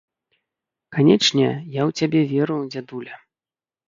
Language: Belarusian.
Канечне, я ў цябе веру, дзядуля!